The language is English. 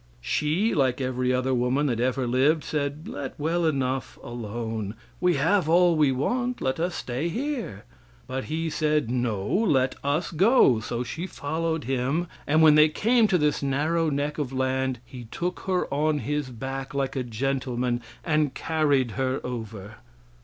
She, like every other woman that ever lived, said: "Let well enough alone; we have all we want; let us stay here." But he said, "No, let us go;" so she followed him, and when they came to this narrow neck of land he took her on his back like a gentleman and carried her over.